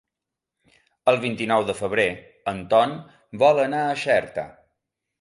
El vint-i-nou de febrer en Ton vol anar a Xerta.